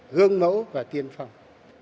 gương mẫu và tiên phong